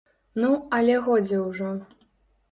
Ну, але годзе ўжо.